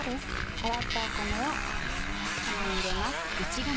洗った米を釜に入れます。